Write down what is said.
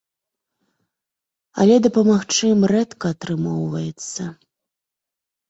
Але дапамагчы ім рэдка атрымоўваецца.